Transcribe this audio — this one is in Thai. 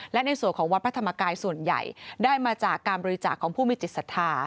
และในส่วนของวัดพระธรรมกายส่วนใหญ่ได้มาจากการบริจาคของผู้มีจิตศรัทธา